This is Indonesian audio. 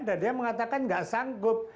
dan dia mengatakan nggak sanggup